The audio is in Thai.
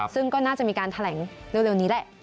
ซึ่งก็น่าจะมีการแถลงเร็วนี้แหละ